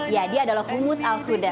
ya dia adalah humud al khudar